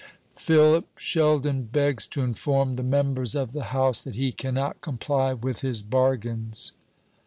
"Philip Sheldon begs to inform the members of the House that he cannot comply with his bargains."